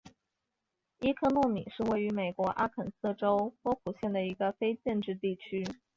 伊科诺米是位于美国阿肯色州波普县的一个非建制地区。